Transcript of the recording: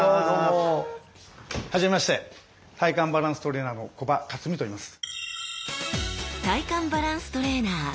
はじめまして体幹バランス・トレーナーの木場克己といいます。